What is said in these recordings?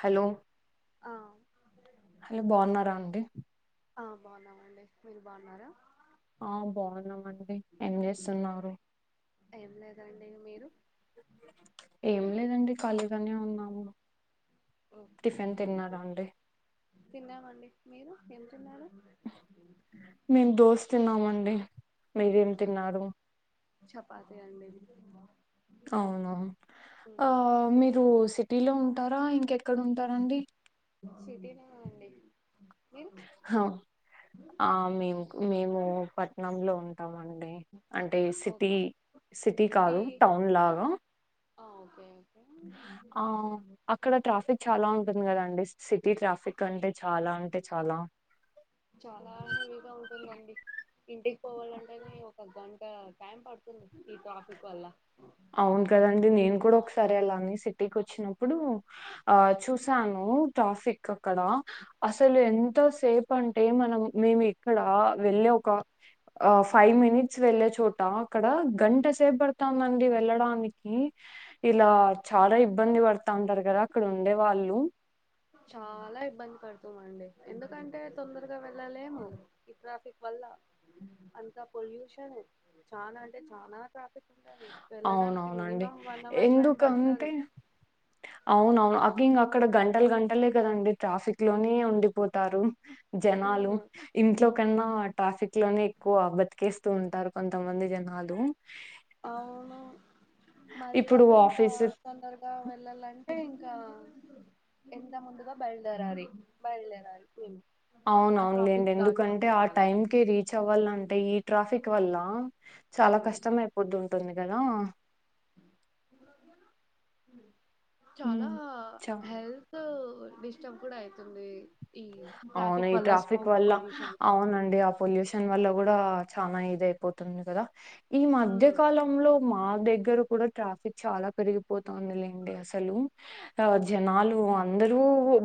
Hello ఆ hello బాగున్నారా అండి ఆ బాగున్నామండి మీరు బాగున్నారా ఆ బావున్నామండి ఏం చేస్తున్నారు ఏం లేదండి మీరు ఏం లేదండి ఖాళీగానే ఉన్నాము. ఒకే టిఫిన్ తిన్నారా అండి తిన్నామండి. మీరు ఎంతిన్నారు మేం దోస తిన్నామండి మీరేం ఉమ్ తిన్నారు చపాతి అండి అవునవును ఆ ఉమ్ మీరు సిట్ టిలో ఉంటారా ఇంకె క్కడ ఉంటారండి సిటీనా అండి మీరు హ ఆ మేం మేము పట్నంలో ఉం డి అంటే సిటీ సిటీ ఓకే కాదు టౌన్లాగా ఆ ఓకేే ఆ అక్కడ ట్రాఫిక్ చాలా ఉంటుంది కదండి సి సిటీ ట్రాఫిక్ అంటే చాలా అంటే చాలా చాలా హెవీగా ఉంటుందండి ఇంటికి పోవాలంటేనే ఒక గంట టైం పడుతుంది ఈ ట్రాఫిక్ వల్ల అవును కదండి నేను కూడా ఆ ఒకసారి అలా అని సిటీకి వచ్చినప్పుడు ఇప్పుడు ఆ చూసాను ట్రాఫిక్ అక్కడ అసలు ఎంతసేపు అంటే మనం మేము ఇక్కడ వెళ్ళ ఒక ఫైవ్ మినిట్స్ వెళ్ళే చోట తా అక్కడ గంట సేపు బడతాందండి మ్ ఇలా చాలా ఇబ్బంది పడతా ఉంటారు కదా ఇక్కడ ఉండే వాళ్ళు చాలా ఇబ్బంది పడుతామండి ఎందుకంటే తొందరగా గా వెళ్ళలేము ఈ ట్రాఫిక్ వల్ల అంత పొల్యూషన్ చాలా అంటే చాలా ట్రాఫ్ అవునవునండి వన్ అవర్ టైం ఎందుకు అంటే పడుతది అవునవును ఆది మొత్తం అక్కడ గంటలు గంటలే కదండి ట్రాఫిక్ లోనే ఉండిపోతారు జనాలు ఉమ్ ఇంట్లో కన్నా ట్రాఫిక్ లోనే ఎక్కువ బతికేస్తూ ఉంటారు కొంతమంది జనాలు అవును ఇప్పుడు మరికాక ఇంకా ఆఫీస్ తొందరగా వెళ్ళాలంటే ఇం ఇకా ఎంత ముందుగా బయలుదేరాలి బయలుదేరాలి మేము ఆ అవునవునులేండి ట్రాఫిక్ దాటుకుంటూ ఎందుకంటే ఆ వెళ్ళాలి టైం కి రీచ్ అవ్వాలంటే ఈ ట్రాఫిక్ వల్ల చాలా ఉమ్ కష్టం అయిపోదూ ఉంటుంది కదా చాలా హ్మ్. చ హెల్త్ టు డిష్టబ్ కూడా ఐతుంది అవును ఈ ట్రాఫిక్ వల్ల పొల్యూషన్ వస్తుంది అవునండి ఆ పొల్యూషన్ వల్ల కూడా చాలా ఇది అయిపోతుంది కదా ఈ మధ్య ఉమ్. కాలంలో మా దగ్గర కూడా ట్రాఫిక్ చాలా పెరిగిపోతుంది లేండి అసలు ఆ జనాలు అందరూ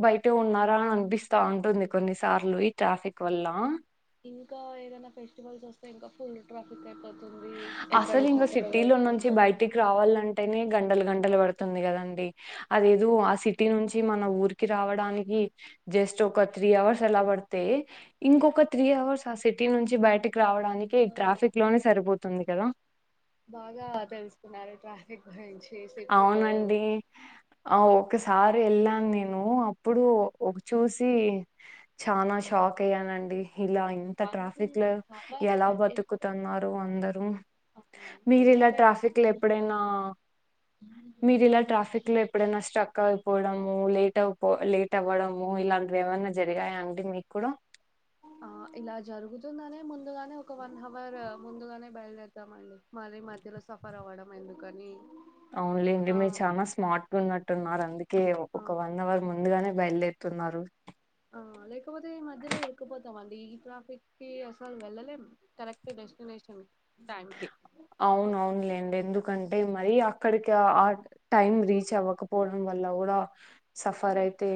బయట ఉన్నారా అని అనిపిస్త ా ఉంటుంది కొన్నిసార్లు ఈ ట్రాఫిక్ వల్ల ఇంకా ఏదైనా ఫెస్టివల్స్ వస్తే ఇంకా ఫుల్ ట్రాఫిక్ అయిపోంది అసలు ఇంకా సిటీ లో నుంచి బయటికి రావాలంటేనే గంటలు గంటలు పడుతుంది కదండి అదేదో ఆ అవును సిటీ నుంచి మన ఊరికి రావడానికి జస్ట్ ఒక త్రీ అవర్స్ ఎలా పడితే ఇంకొక త్రీ అవర్స్ ఆ సిటీ నుంచి బయటి రావడానికి ఆ ట్రాఫిక్ లోనే సరిపోతుంది వంది కదా బాగా తెలుసుకున్నారు ట్రాఫిక్ గురించి సిటీలో అవునండి అవ్ ఒకసారి వెళ్ళాను నేను అప్పుడు ఒక చూసి చనా షాక్ అయ్యానండి ఇలా ఇంత వన్ ట్రాఫిక్ లో హవర్ ఎలా ఎంత బతుకుతున్నారు అందరూ మీరు ఎంత ఇలా లేదన్నా ట్రాఫిక్ లో వన్ ఎప్పుడైనా హవర్ మీరు ఇలా ట్రాఫిక్ లో ఎప్పుడైనా స్టక్ అయిపోవడము లేట్ అయిపో లేట్ అవ్వడము ఇలాంటివి ఏమన్నా జరిగాయా అండి మీకు కూడా ఆ ఇలా జరుగుతుందనే ముందుగానే ఒక వన్ అవర్ ముందుగానే బయలుదేరతాం అడి మరీ మధ్యలో సఫర్ అవ్వడం ఎందుకని అవునులేండి అండి ఆ మీరు చాల స్మార్ట్ గా ఉన్నట్టున్నారు అందుకే ఆ ఒక వన్ అవర్ ముందుగానే బయలుదేరుతున్నారు ఆ లేకపోతే ఈ మధ్యలో ఎరుకుపోతామండి ఈ ట్రాఫిక్ కి అసలు వెళ్ళలేం కరెక్ట్ డెస్టినేషన్ టైం కి అవున అవునులేండి ఎందుకంటే మరి అ క్కడక ఆ టైమ్ రీచ్ చెవకపోవడం వల్ల కూడా సఫర్ అయితే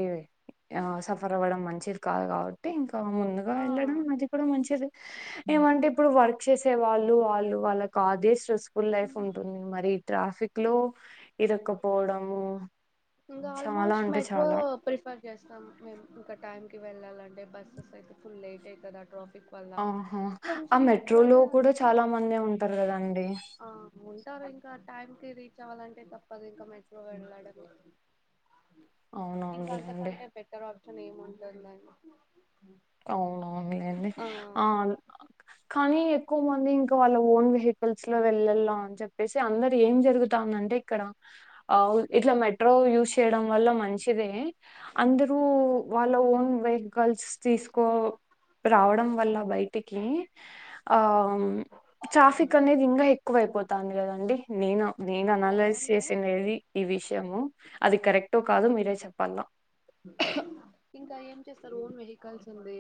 ఆ సఫర్ అవ్వడం మంచిది కాదు కాబట్టి ఇంకా ముందుగా ఆ వెళ్ళడం అది కూడా మంచిది ఏమంటే ఇప్పుడు వర్క్ చేసే వాళ్ళు వాళ్ళకు ఆదే స్ట్రె ఫుల్ లైఫ్ ఉంటుంది మరి ఇ ట్రాఫి ఫిక్ ఇంకా చాలా ఆల్మోస్ట్ అంటే మెట్రో చాలా ప్రిఫర్ చేస్తాం మే ఇంకా టైం వెళ్ాలంట బస్ెస్ అయితే ఫుల్ లేట్ అయితది కదా ట్రాఫీ ఆహో ఆ మెట్రో లో అయితే కూడా చాలా మంది ఉంటారు కదండి ఆ ఉంటారు ఇంకా టైం టైం కి రీచ్ అవ్వాలంటే తప్పదు ఇంకా మెట్రో వెళ్ళడంమే అవునవునులేండి కానీ ఏం [inaudible] దాన్ని అవునవును లేండి ఆన్ కానీ ఎక్కువ మంది ఇంకా వాళ్ళ ఓన్ వెహికల్స్ లో వెళ్ళళ్ల అని చెప్పేసి అందరు ఏం జరుగుతా ఉందంటే ఇక్కడ అవ్ ఇట్లా మెట్రో యూస్ చేయడం వల్ల మంచిదే అందరూ వాళ్ళ ఓన్ వెహికల్స్ తీసుకో రావడం వల్ల బయటికి ఆం ట్రాఫిక్ అనేది ఇంగా ఎక్కువైపో తాంది కదండి నేను నేను అనలైజ్ అవును చేసినది ఈ విషయము అది కరెక్టో కాదు మీరే చెప్ ప్పల్ల ఇంకా ఏం చేస్తారు ఓన్ వెహికల్స్ ఉంది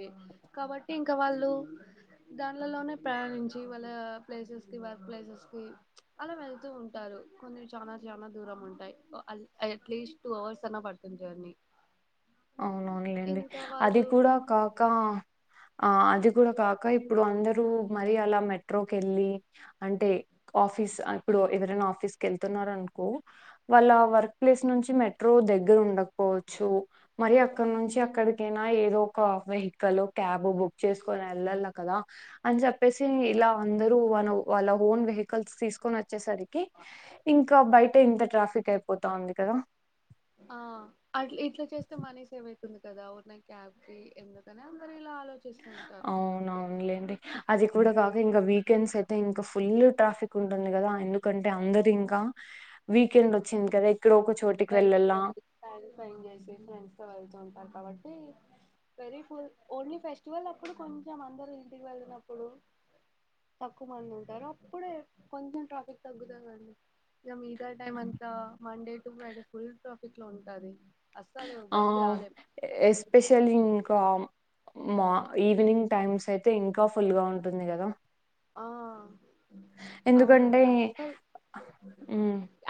కాబట్టి ఇంకా వాళ్ళు దాంట్లల్లోనే ప్రయాణించి వాళ్ళ ప్లేసెస్ కి వర్క్ ప్లేసెస్ కి అలా వెళ్తూ ఉంటారు కొన్ని చానా చానా దూరం ఉంటాయి అల్ అయు అట్లీస్ట్ టూ అవర్స్ అన్నా పడుతుంది జర్నీ అవునవునులేండి ఇంకా అది వాళ్ళు కూడా కాక ఆ అది కూడా కాక ఇప్ ఇప్పుడు అందరూ మరీ అలా మెట్ మెట్రోకి వెళ్ళి అంటే ఆఫీస్ ఇప్పుడు ఎవరైనా ఆఫీస్కి వెళ్తున్నారనుకో వాళ్ళ వర్క్ ప్లేస్ నుంచి మెట్రో దగ్గర ఉండకపోవచ్చు. మరి అక్కడ నుంచి అక్కడిక్ కేనా ఏదో ఒక వెహికల్ క్యాబ్ బుక్ చేసుకొని వెళ్ళాల కదా అని చెప్పేసి ఇలా అందరూ వాన వాళ్ళ ఓన్ వెహికల్స్ తీసుకొని వచ్చేసరికి ఇంకా బయట ఇంత ట్రాఫిక్ అయిపోతా ఉంది కదా వెయిట్ ఉంది కదా ఉర్కనే క్యాబ్కి ఎందుకనే అందరు ఇలా ఆలో అవునవునులేండి అది కూడా కాక ఇంకా weekends think of full traffic ఉంటుంది కదా ఎందుకంటే అందరు ఇంకా వీకెండ్ వచ్చింది కదా ఇక్కడోక చిక్ బయటికి వెళ్ పన్ చేసి ఫ్రెండ్స్ తో వెళ్తుంటారు. కాబట్టి వెరీ ఫుల్ ఓన్లీ ఫెస్టివల్ అప్పుడు కొంచెం అందరుూ ఇంటికి వెళ్ళినప్పుడు తక్కువ మంది ఉంటారు అప్పుడే కొంచెం ట్రాఫిక్ తగ్గుతాండి ఇగ మిగతా టైమ్ అంతా Monday to Friday full traffic లో ఉంటాది ఆ ఎస్పెషలీ వామ్ మా ఈవినింగ్ టైమ్స్ అయితే ఇంకా ఫుల్గా ఉంటుంది కదా ఆ ఎందుకంటే అవునండి అస్సలు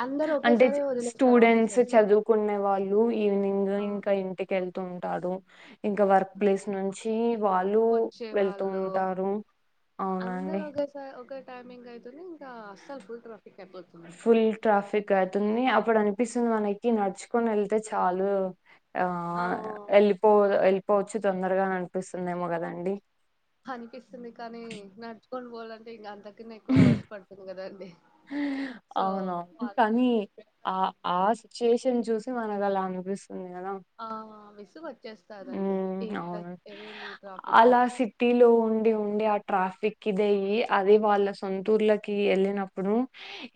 అందరు అంటే ఒకేసారి వదిలేస్తారు స్టూడెంట్స్ ఆఫీసర్స్ చదువుకునే వాళ్ళు ఈవినింగ్ ఆ ఇంకా ఇంటికి ఎళ్తుూ ఉంటాడు ఇంకా వర్క్ ప్లేస్ నుంచి వాళ్ళు వచ్చే వెళ్తూ వాళ్ళు ఉంటారు అందరు అవునండి ఒకేసారి ఒకే టైమింగ్ అయితుంది ఇంకా అస్సలు ఫుల్ ట్రాఫిక్ అయిపోతుంది ఫుల్ ట్రాఫిక్ అవుతుంది అప్పుడు అనిపిస్తుంది మనకి నడుచు తీకని వెళ్తే చాలు ఆ అవు ఎలిిపో ఎ పోవచ్చు తొందరగా అనిపిస్తుందేమో కదండి అనిపిస్తుంది కానీ నా కొను బోల్ంనికింగ అంత ఎక్కువ హవర్స్ పడుతుంది కదా అవునవును కానీ ఆ ఆ సిచువేషన్ చూసి మనకు అలా అనిపిస్తుంది ట్ ఉ అవును ఈ ట్రాఫిక్ అలా అని సిటీలో ఉండి ఉండడి అ ట్రాఫిక్ ఇదే్య అది వాళ్ళ సొంతూర్లకి వెళ్ళినప్పుడు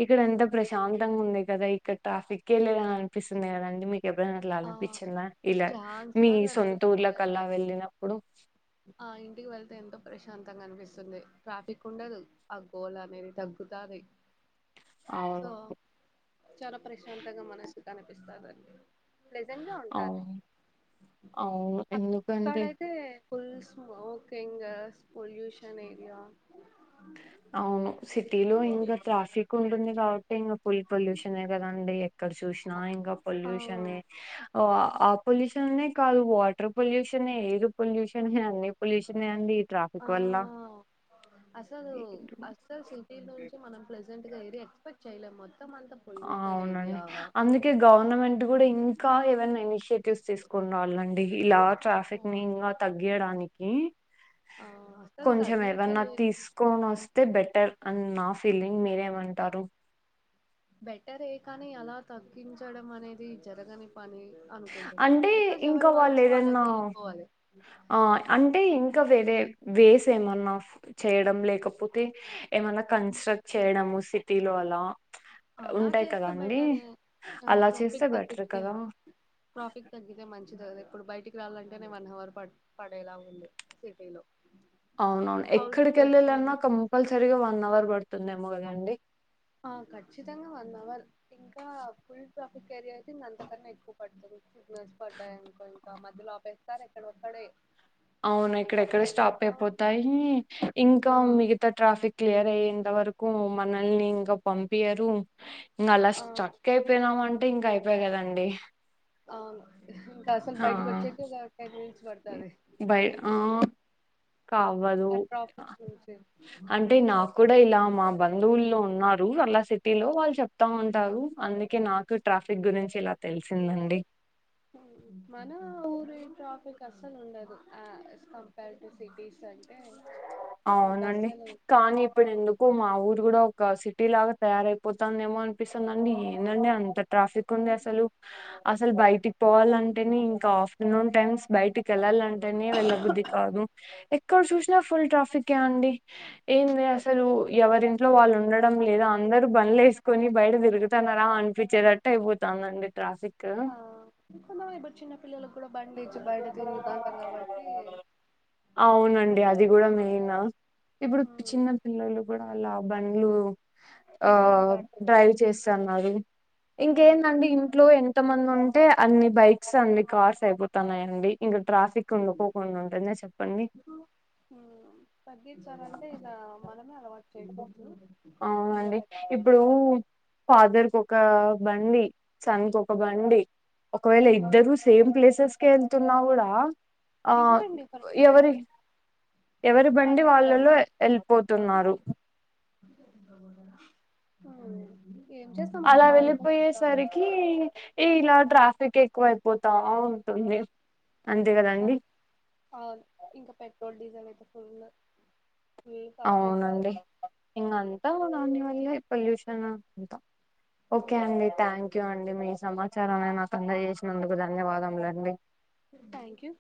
ఇక్కడ ఎంత ప్రశాంతంగా ఉంది కదా ఇక్కడ ట్రాఫిక్ లేదని అనిపిస్తుంది కదండి ఎప్పుడలా ఆ ఆలంపిచలా ఇలా చాన్ మీ సార్లు సొంతూర్లలకు అనిపిస్తుందండి అలా వెళ్ళినప్పుడు ఆ ఇంటికి వెళ్తే ఎంతో ప్రశాంతంగా అనిపిస్తుంది ట్రాఫిక్ ఉండదు ఆ గోళ అనేది తగ్గుతుంది సో అవును. చాలా ప్రశాంతగా మనసు కనిపిస్తాదండి లెజం గా ఉంటారు అవును. అవును. ఎందుకంటే అక్కడైతే ఫుల్ స్మోకింగ్ పొల్యూషన్ ఏరియా అవును టింగ్ ఫుల్ పొల్యూషన్ కదండి ఎక్కడ చూసినా ఇంకా ఆ పొల్యూషన్ ఆ పొల్యూషన్ కాదు వాటర్ పొల్యూషన్ ఏది పొల్యూషన్ అన్ని పొల్యూషన్ అండి ట్రాఫిక్ వల్ల ఆ అసలు అస్సలు సిటీ నుంచి మనం ప్రజెట్ గా ఎక్స్పెక్ట్ శైల మొ అవునండి అందుకే గవర్నమెంట్ కూడా ఇంకా ఏమైనా ఇనిషియేటివ్స్ తీసుకున్న వాళ్ళండి ఇలాఖ ట్రాఫిక్ ని ఇంకా తగ్గయడానికి ఆ క అసలు కొంచెం ఏదన్నా తగ్గించలేదు తీసుకొని వస్తే బెటర్ అ నా ఫల్లింగ్ మీరేమంటారు బెటరే కానీ అలా తగ్గించడం అనేది జరగని పని అనుకుంటుంది అంటే బికాజ్ ఇంకా ఎవరి వాళ్ళు వర్క్స్ అలాగ ఏదన్నా వెళ్ళిపోవాలి ఆ అంటే ఇంకా వేరే వేస్ ఏమన్నా చేయడం లేకపోతే ఏమన్నా కన్స్ట్రక్ట్ చేయడము సిటీ లో అలా అలా ఉంటాయి కదా చేస్తే అండి బెటరే అలా చేస్తే బెటర్ కదా ప్రాఫిట్ తగ్గితే మంచిదిగ అద ఇప్పుడు బయటికి రాలంటేనే వన్ అవర్ ప పడేలా ఉంది సిటీ లో అవునవును ఎక్కడికెళ్ళలాన్నా లోని కంపల్సరగా వన్ అవర్ ప తుందేమో కదండీ ఆ కచ్చితంగా వందవర్ ఇంకా ఫు ట్రాఫిక్ అంతక ఎకు ప చిచ్చ పడ్డాయిని కొంచ మధ్యలోపేస్తారు ఎక్కడ ఒక్కడే అవునా ఇక్కడెక్కడ స్టాప్ అయిపోతాయి ఇంకా ఆ మిగతా ట్రాఫిక్ క్లియర్ అయ్యంది ఇంత వరకు మనల్ని ఇంకా పంపియారు ఇంకా అలా ఆ స్టక్ అయిపోయినామ అంటే ఇంకా అయిపో కదండి అవును ఇంకా అసలు ఆ బయటకి వచ్చేట్టు టెన్మినిట్స్ పడుతుది కావదు అంటే నాకు కూడా ఇలా మా బంధువుల్లో ఉన్నారు అలా సిటీ లో వాళ్ళు చెప్తా ఉంటారు అందుకే నాకు ట్రాఫిక్ గురించి ఇలా తెలిసిందండి మన ఊరే ట్రాఫిక్ అస్సలు ఉండదు కంపేర్డ్ టు సిటీస్ అండ్ అవునండి కానీ ఇప్పుడు ఉమ్. ఎందుకు మా ఊరు కూడా ఒక సి టి లాగా తయారైపోతుందేమో అనిపిస్తుందండి ఏందండి అంత ట్రాఫిక్ ఉంది అసలు అసలు బయటికి పోవాలంటేనే ఇంకా ఆఫ్ నూన్ టైమ్స్ బయటికి వెళ్ళాలంటేనే వెళ్ళబుద్ధది కాదు ఎక్కడ చూసినా ఫుల్ ట్రాఫిక్ అండి ఏంది అసలు ఎవరింట్లో వాళ్ళు ఉండడం లేదా అందరు బండిలు వేసుకొని బయట తిరుగుతన్నారా అనిపించేటట్టు అయిపోతుందండి ట్రాఫిక్ ఆ ఇ ఇ బ చిన్న పిల్లలకుకి కూడా బండి ఇచ్చి బయట తిరుగుతాంటారు కాబట్టి అవునండి అట్లా అది కూడా మెయిన్ ఇప్పుడు ఉమ్. చిన్న పిల్లలు కూడా అలా బండ్లు ఆ ఇవ్వడం కరెక్ట్ కాదు డ్రైవ్ చేస్తున్నారు ఇంకేందండి ఇంట్లో ఎంత మంది ఉంటే అన్ని బైక్స్ అన్ని కార్స్ అయిపోతయి స్తున్నాయండి ఇంకా ట్రాఫిక్ ఉండకోకుండా ఉంటుందా చెప్పండి తగ్గించాలంటే ఇలా మనమే అలవాటు చేయకూడదు అవునండి పిల్లలకి ఇప్పుడు ఫాదర్ కి ఒక బండి సన్ కి ఒక బండి ఒకవేళ ఇద్దరు సేమ్ ప్లేసెస్ కె వెళ్తున్న కూడా ఆ డిఫరెంట్ డిఫరెంట్ ఎవరి ఎవరి బండి బండలల్ల వాళ్ళలో వెళ్ళిపోతున్నారు ఆ అలా వెళ్ళిపోయేసరికి ఇలా ట్రాఫిక్ ఎ ఎక్కువయిపోతా ఉంటుంది అంతే కదండి అవును ఇంకా పెట్రోల్ డీజల్ అయితే ఫుల్ ఫుల్ కాస్ట్ అయిపోతాయి అవునండి ఇంకా అంతా దాని వ ఈ పొల్యూషన్ అంత ఓకే అండి థ్యాంక్ యూ అండి మీ సమాచారాన్ని నాకు అందజేసినందుకు ధన్యవాదములండి థ్యాంక్ యూ